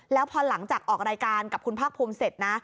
แล้วพอหลังจากออกรายการกับคุณภาคภูมิเสร็จนะ